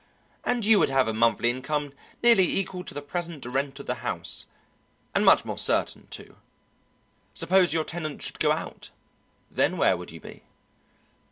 and you would have a monthly income nearly equal to the present rent of the house, and much more certain, too. Suppose your tenant should go out, then where would you be?"